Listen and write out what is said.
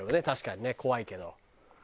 確かにね怖いけど。